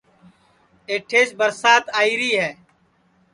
ایٹھیس برسات آئیری ہے